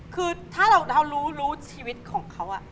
คือถ้าเรารู้ชีวิตของเขา